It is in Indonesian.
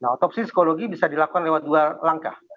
otopsi psikologi bisa dilakukan lewat dua langkah